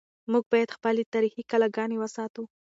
موږ باید خپلې تاریخي کلاګانې وساتو.